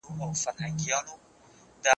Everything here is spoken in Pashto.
ليکنې وکړه